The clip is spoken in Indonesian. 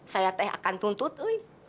saya teh akan tuntut uin